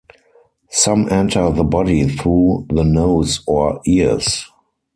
Some enter the body through the nose or ears.